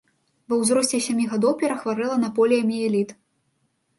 Ва ўзросце сямі гадоў перахварэла на поліяміэліт.